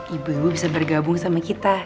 ibu ibu bisa bergabung sama kita